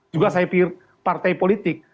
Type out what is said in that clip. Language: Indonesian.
juga saya pikir partai politik